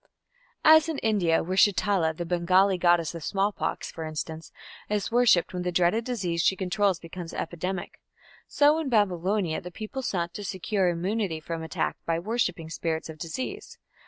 As in India, where Shitala, the Bengali goddess of smallpox, for instance, is worshipped when the dreaded disease she controls becomes epidemic, so in Babylonia the people sought to secure immunity from attack by worshipping spirits of disease.